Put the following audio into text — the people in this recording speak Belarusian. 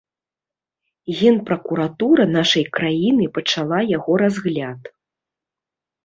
Генпракуратура нашай краіны пачала яго разгляд.